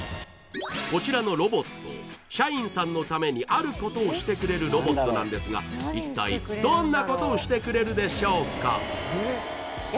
こちらのロボット社員さんのためにあることをしてくれるロボットなんですが一体どんなことをしてくれるでしょうか？